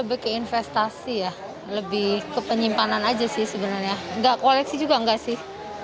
investasi ya lebih ke penyimpanan aja sih sebenarnya ndak koleksi juga nggak sih